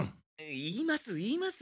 言います言います。